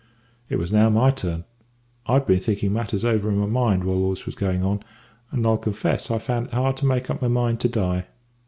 "It was now my turn. I'd been thinking matters over in my mind whilst all this was going on; and I'll confess I found it hard to make up my mind to die.